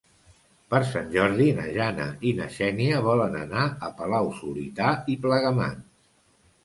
Per Sant Jordi na Jana i na Xènia volen anar a Palau-solità i Plegamans.